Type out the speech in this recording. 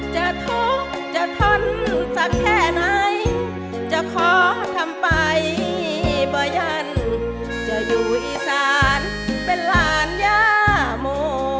จะทุกอย่าทนสักแค่ไหนจะคอทำไปตัวอย่างจะอยู่อีสานเป็นร้านยาโม